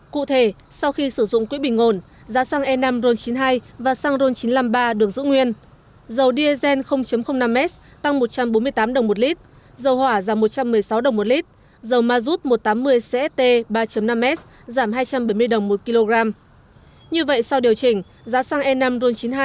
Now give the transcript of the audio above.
cụ thể sau khi sử dụng quỹ bình ổn giá xăng e năm ron chín mươi hai và xăng ron chín trăm năm mươi ba